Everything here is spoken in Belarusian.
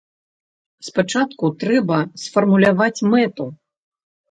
Спачатку трэба сфармуляваць мэту.